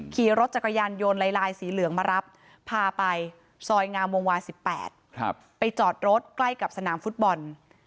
ขี่รถจักรยานยนต์ลายสีเหลืองมารับพาไปซอยงามวงวา๑๘ไปจอดรถใกล้กับสนามฟุตบอล